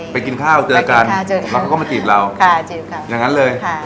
ไปกินข้าวเจอกันเขาก็มากินเราค่ะอย่างงั้นเลยค่ะ